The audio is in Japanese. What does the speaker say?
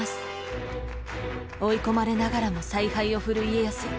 追い込まれながらも采配を振る家康。